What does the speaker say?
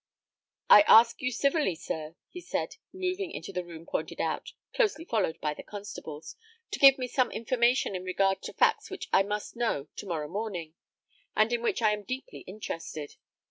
"I ask you civilly, sir," he said, moving into the room pointed out, closely followed by the constables, "to give me some information in regard to facts which I must know to morrow morning, and in which I am deeply interested.